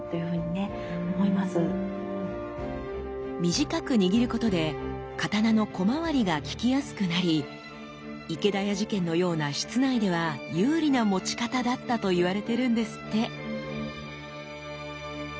短く握ることで刀の小回りが利きやすくなり池田屋事件のような室内では有利な持ち方だったと言われてるんですって。